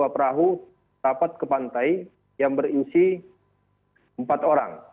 perahu dapat ke pantai yang berisi empat orang